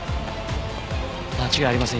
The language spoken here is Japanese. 間違いありません。